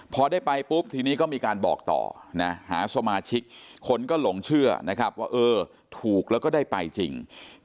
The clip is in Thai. พอได้ไปปุ๊บทีนี้ก็มีการบอกต่อนะหาสมาชิกคนก็หลงเชื่อนะครับว่าเออถูกแล้วก็ได้ไปจริง